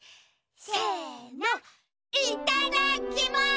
せのいただきます！